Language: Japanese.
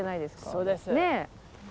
そうです。